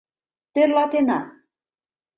Тӧрлатена...